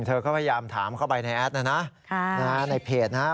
เธอก็พยายามถามเข้าไปในแอดนะนะในเพจนะฮะ